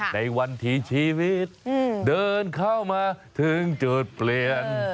ในวันที่ชีวิตเดินเข้ามาถึงจุดเปลี่ยน